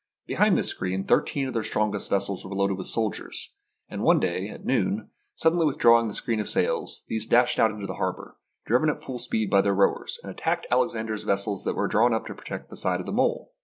Behind this screen thirteen of their strongest vessels were loaded with soldiers, and one day, at noon, suddenly withdrawing the screen of sails, these dashed out of the harbour, driven at full speed by their rowers, and attacked Alexander's vessels that were drawn up to protect the side of the mole.